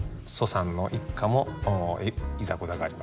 蘇さんの一家もいざこざがあります。